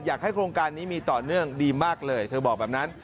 โครงการนี้มีต่อเนื่องดีมากเลยเธอบอกแบบนั้น